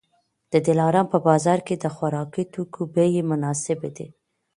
د دلارام په بازار کي د خوراکي توکو بیې مناسبې دي